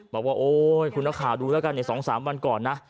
บอกว่าโอ้ยคุณราคาดูแล้วกันเนี่ย๒๓วันก่อนนะ